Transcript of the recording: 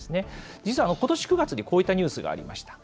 実はことし９月に、こういったニュースがありました。